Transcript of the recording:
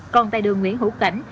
còn tại đường nguyễn hữu cảnh